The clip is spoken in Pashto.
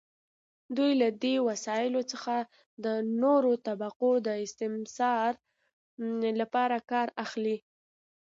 دوی له دې وسایلو څخه د نورو طبقو د استثمار لپاره کار اخلي.